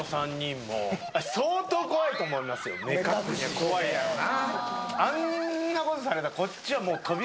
怖いやろな。